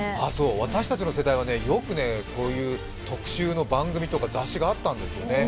私たちの世代はよくこういう特集の番組とか雑誌があったんですよね。